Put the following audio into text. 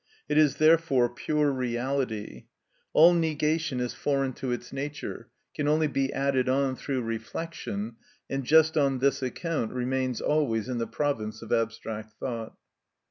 It is, therefore, pure reality; all negation is foreign to its nature, can only be added on through reflection, and just on this account remains always in the province of abstract thought.